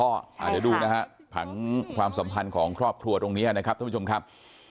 เดี๋ยวดูนะฮะผังความสัมพันธ์ของครอบครัวตรงนี้นะครับท่านผู้ชมครับ